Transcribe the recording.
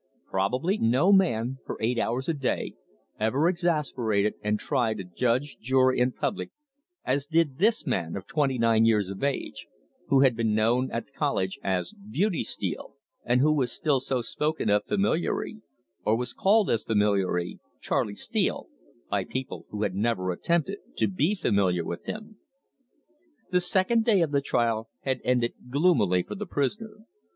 Probably no man, for eight hours a day, ever exasperated and tried a judge, jury, and public, as did this man of twenty nine years of age, who had been known at college as Beauty Steele, and who was still so spoken of familiarly; or was called as familiarly, Charley Steele, by people who never had attempted to be familiar with him. The second day of the trial had ended gloomily for the prisoner.